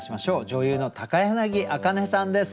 女優の高柳明音さんです。